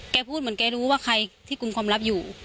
พูดเหมือนแกรู้ว่าใครที่กลุ่มความลับอยู่